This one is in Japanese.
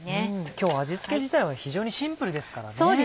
今日味付け自体は非常にシンプルですからね。